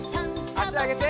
あしあげて。